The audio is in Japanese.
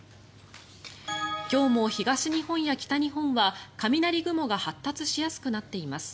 今日も東日本や北日本は雷雲が発達しやすくなっています。